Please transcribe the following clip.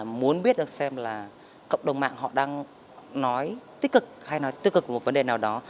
họ muốn biết được xem là cộng đồng mạng họ đang nói tích cực hay nói tích cực về một vấn đề nào đó